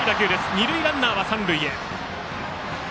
二塁ランナーは三塁へ。